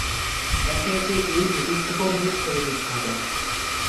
একে একে এ জুটি সুপারহিট ছবি দিতে থাকেন।